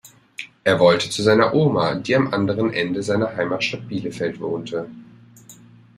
Er wollte zu seiner Oma, die am anderen Ende seiner Heimatstadt Bielefeld wohnte.